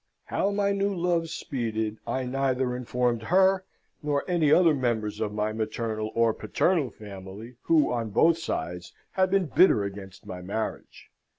How my new loves speeded I neither informed her, nor any other members of my maternal or paternal family, who, on both sides, had been bitter against my marriage.